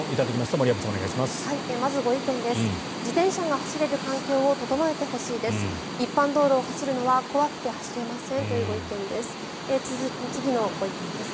森山さん、お願いします。